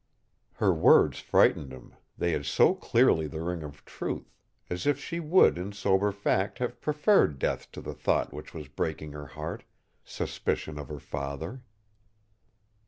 Her words frightened him, they had so clearly the ring of truth, as if she would in sober fact have preferred death to the thought which was breaking her heart suspicion of her father.